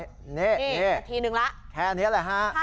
นี่นาทีนึงแล้วแค่นี้แหละฮะ